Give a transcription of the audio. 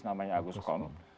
namanya auguste combes